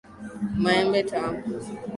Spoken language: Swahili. Maembe tamu.